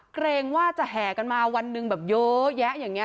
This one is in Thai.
เกรงว่าจะแห่กันมาวันหนึ่งแบบเยอะแยะอย่างนี้